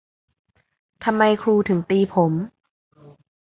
ทำไมครูถึงตีผม